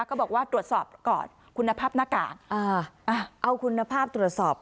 ก็บอกว่าตรวจสอบก่อนคุณภาพหน้ากากเอาคุณภาพตรวจสอบ